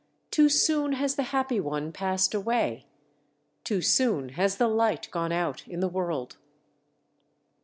Too soon has the Happy One passed away! Too soon has the Light gone out in the world!"